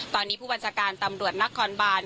ตอนนี้ผู้บรรชการตำรวจนักคอนบาน